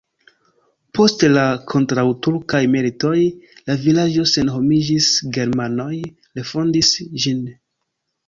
Post la kontraŭturkaj militoj la vilaĝo senhomiĝis, germanoj refondis ĝin.